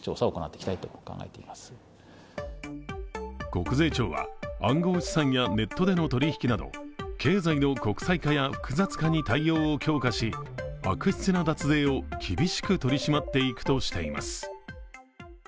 国税庁は、暗号資産やネットでの取引など経済の国際化や複雑化に対応を強化し悪質な脱税を厳しく取り締まっていくとしています。